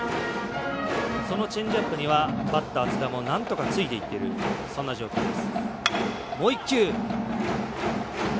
そのチェンジアップにはバッター津田もなんとかついていっているそんな状況です。